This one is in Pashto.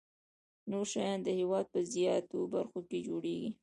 نور شیان د هېواد په زیاتو برخو کې جوړیږي.